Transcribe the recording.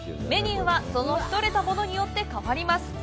メニューは、その日、獲れたものによって変わります。